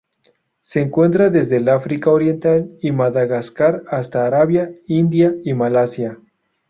Se encuentra desde el África Oriental y Madagascar hasta Arabia, India y Malasia.